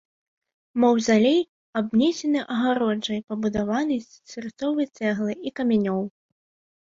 Маўзалей абнесены агароджай, пабудаванай з сырцовай цэглы і камянёў.